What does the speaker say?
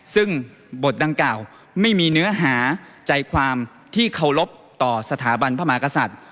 ซึ่งบทดังกล่าวไม่มีเนื้อหาใจความที่เคารพต่อสถาบันพระมหากษัตริย์